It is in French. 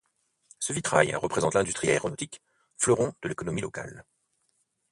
Ce vitrail représente l'industrie aéronautique, fleuron de l'économie locale.